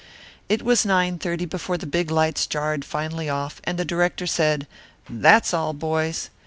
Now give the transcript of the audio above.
It was nine thirty before the big lights jarred finally off and the director said, "That's all, boys."